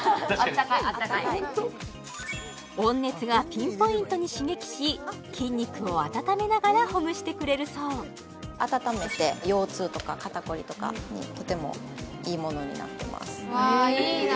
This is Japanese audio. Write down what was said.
温熱がピンポイントに刺激し筋肉を温めながらほぐしてくれるそう温めて腰痛とか肩凝りとかにとてもいいものになってます